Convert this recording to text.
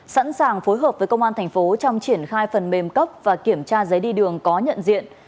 sẵn sàng phối hợp với công an thành phố trong triển khai phần mềm cấp và kiểm tra giấy đi đường có nhận diện